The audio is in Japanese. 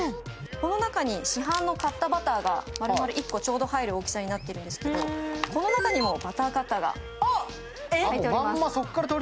この中に市販の買ったバターが丸々１個入る大きさになっているんですけど、この中にもバターカッターが入っております。